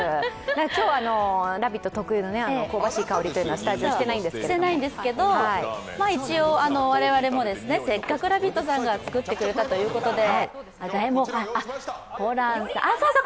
今日、「ラビット」特有の香ばしい香りというのはスタジオしていないんですけれども、一応、我々もせっかく「ラヴィット！」さんが作ってくれたというとで、そうそう、